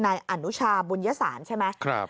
นายอนุชาบุญยสารใช่ไหม